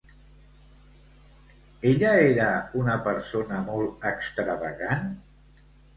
Ella era una persona molt extravagant?